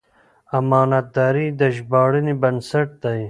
امانتداري د ژباړې بنسټ دی.